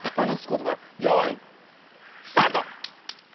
ことばよいスタート！